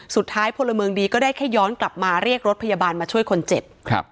พลเมืองดีก็ได้แค่ย้อนกลับมาเรียกรถพยาบาลมาช่วยคนเจ็บครับ